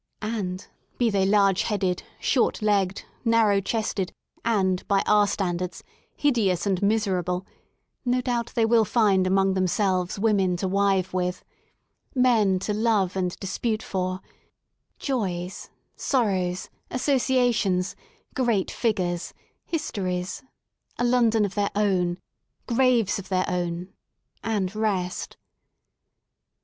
And, be they large headed, short legged, narrow chested, and, by our standards, hideous and miserable, no doubt they will find among^ themselves women to wive with, men to love and 174 REST IN LONDON dispute for, joys, sorrows, associations^ Great Figures, histories — a London of their own, graves of their own, and rest.